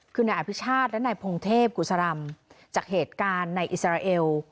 คือนายอภิชาติและนายพงเทพกุศรำจากเหตุการณ์ในอิสราเอล